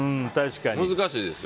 難しいですよ。